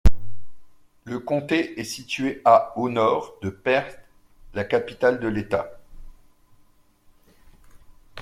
Le comté est situé à au nord de Perth, la capitale de l'État.